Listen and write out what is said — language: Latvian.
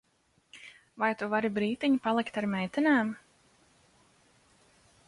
Vai tu vari brītiņu palikt ar meitenēm?